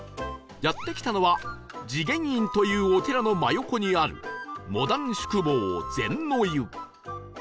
やって来たのは慈眼院というお寺の真横にあるモダン宿坊禅の湯